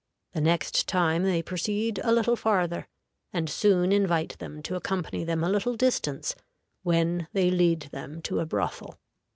The next time they proceed a little farther, and soon invite them to accompany them a little distance, when they lead them to a brothel.